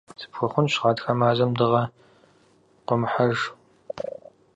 Сыпхуэхъунущ гъатхэ мазэм дыгъэ къуэмыхьэж.